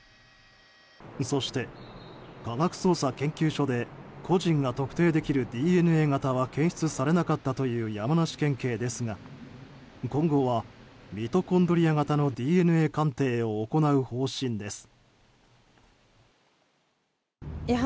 そして、科学捜査研究所で個人が特定できるＤＮＡ型は検出されなかったという山梨県警ですが今後は、ミトコンドリア型のＤＮＡ鑑定を行う方針です。